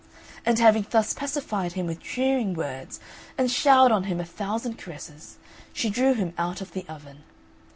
And having thus pacified him with cheering words, and showered on him a thousand caresses, she drew him out of the oven.